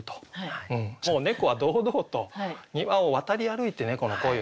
もう猫は堂々と庭を渡り歩いて猫の恋をする。